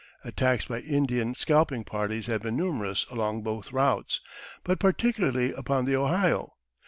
Attacks by Indian scalping parties had been numerous along both routes, but particularly upon the Ohio.